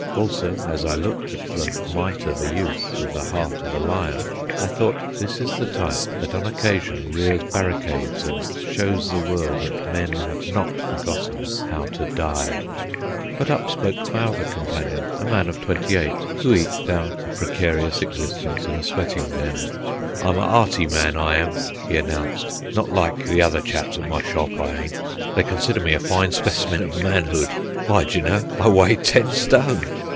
Also, as I looked at the mite of a youth with the heart of a lion, I thought, this is the type that on occasion rears barricades and shows the world that men have not forgotten how to die. But up spoke my other companion, a man of twenty eight, who eked out a precarious existence in a sweating den. "I'm a 'earty man, I am," he announced. "Not like the other chaps at my shop, I ain't. They consider me a fine specimen of manhood. W'y, d' ye know, I weigh ten stone!"